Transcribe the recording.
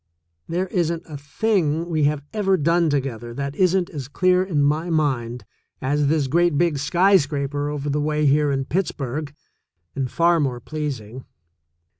There isn't a thing we have ever done together that isn't as clear in my mind as this great big skyscraper over the way here in Pittsburgh, md far more pleasing.